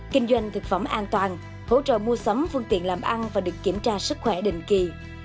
kinh doanh thực phẩm an toàn hỗ trợ mua sắm phương tiện làm ăn và được kiểm tra sức khỏe định kỳ